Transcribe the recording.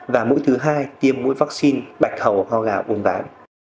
và mũi thứ hai tiêm mũi vaccine bạch hầu ho gà uốn ván